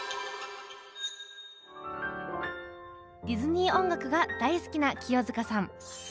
ディズニー音楽が大好きな清塚さん。